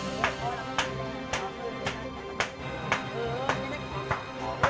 บ่อยกินช่วยดีค่ะ